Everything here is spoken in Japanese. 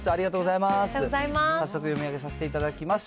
ありがとうございます。